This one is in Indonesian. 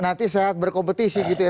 nanti sehat berkompetisi gitu ya